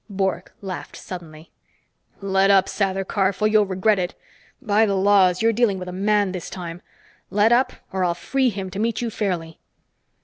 Bork laughed suddenly. "Let up, Sather Karf, or you'll regret it. By the laws, you're dealing with a man this time. Let up, or I'll free him to meet you fairly."